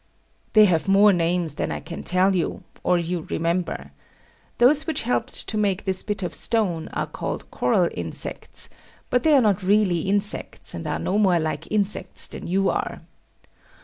They have more names than I can tell you, or you remember. Those which helped to make this bit of stone are called coral insects: but they are not really insects, and are no more like insects than you are.